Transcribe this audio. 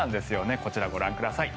こちらをご覧ください。